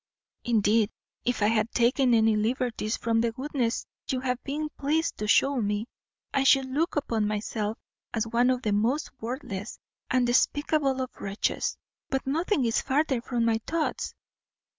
Indeed, if I had taken any liberties from the goodness you have been pleased to shew me, I should look upon myself as one of the most worthless and despicable of wretches; but nothing is farther from my thoughts.